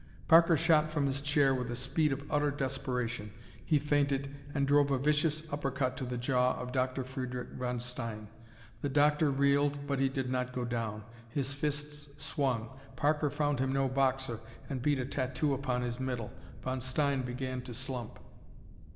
Parker shot from his chair with the speed of utter desperation. He feinted, and drove a vicious uppercut to the jaw of Dr. Friedrich von Stein. The doctor reeled but he did not go down. His fists swung. Parker found him no boxer, and beat a tattoo upon his middle. Von Stein began to slump.